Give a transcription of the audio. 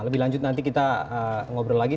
lebih lanjut nanti kita ngobrol lagi